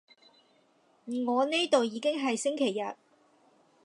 我呢度已經係星期日